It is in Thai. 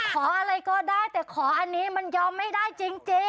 ขออะไรก็ได้แต่ขออันนี้มันยอมไม่ได้จริง